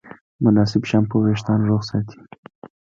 مناسب شامپو وېښتيان روغ ساتي.